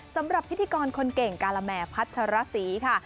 สำหรับพิธีกรคนเก่งกาลแหม่พัชรสีค่ะ